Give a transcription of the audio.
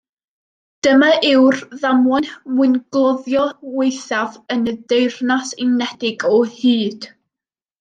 Dyma yw'r ddamwain mwyngloddio waethaf yn y Deyrnas Unedig o hyd.